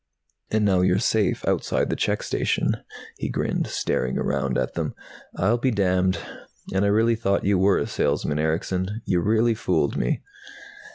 And now you're safe, outside the check station." He grinned, staring around at them. "I'll be damned! And I really thought you were a salesman, Erickson. You really fooled me."